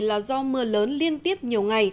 là do mưa lớn liên tiếp nhiều ngày